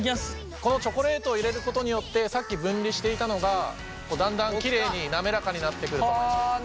このチョコレートを入れることによってさっき分離していたのがだんだんきれいに滑らかになってくると思います。